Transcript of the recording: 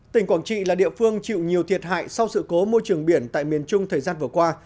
tỉnh quảng trị là địa phương chịu nhiều thiệt hại sau sự cố môi trường biển tại miền trung thời gian vừa qua